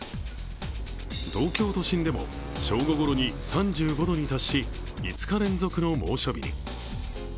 東京都心でも正午ごろに３５度に達し、５日連続の猛暑日に。